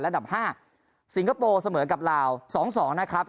ดับ๕สิงคโปร์เสมอกับลาว๒๒นะครับ